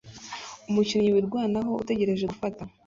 umukinnyi wirwanaho utegereje gufata